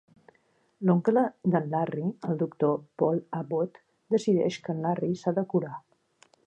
L'oncle d'en Larry, el doctor Paul Abbot, decideix que en Larry s'ha de curar.